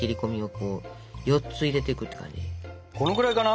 このぐらいかな？